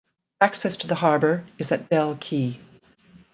Access to the harbour is at Dell Quay.